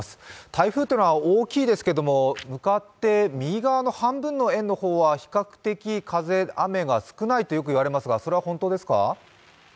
台風っていうのは大きいですけど向かって右側半分の円というのは雨風が少ないといわれていますがそれは本当ですか？